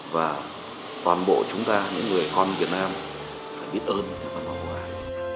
và toàn bộ chúng ta những người con việt nam phải biết ơn nhà văn hoàng quốc hải